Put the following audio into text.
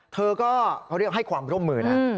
เธอก็เขาเรียกให้ความร่วมมือนะ